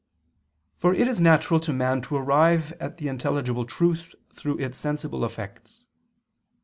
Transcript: For it is natural to man to arrive at the intelligible truth through its sensible effects.